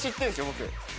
僕。